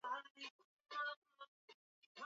Rahim anapenda mchezo wa kandanda